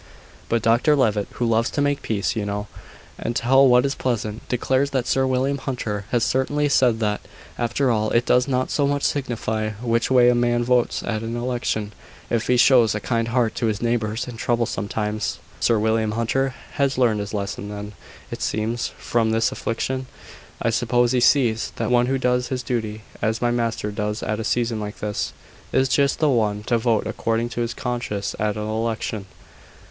But Dr Levitt, who loves to make peace, you know, and tell what is pleasant, declares that Sir William Hunter has certainly said that, after all, it does not so much signify which way a man votes at an election, if he shows a kind heart to his neighbours in troublesome times." "Sir William Hunter has learned his lesson then, it seems, from this affliction. I suppose he sees that one who does his duty as my master does at a season like this, is just the one to vote according to his conscience at an election.